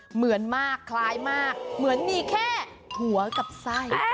เหมือนมากคล้ายมากเหมือนมีแค่หัวกับไส้